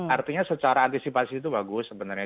artinya secara antisipasi itu bagus sebenarnya